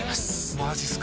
まじすか！？